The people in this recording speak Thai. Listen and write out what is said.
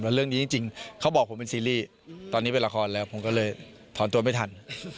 แล้วเรื่องนี้จริงเขาบอกผมเป็นซีรีส์ตอนนี้เป็นละครแล้วผมก็เลยถอนตัวไม่ทัน